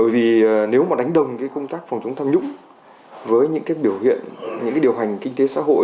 vì nếu mà đánh đồng công tác phòng chống tham nhũng với những điều hành kinh tế xã hội